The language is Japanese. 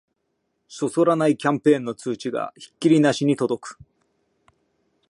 そそらないキャンペーンの通知がひっきりなしに届く